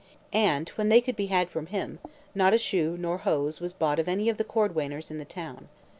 And when they could be had from him, not a shoe nor hose was bought of any of the cordwainers in the town.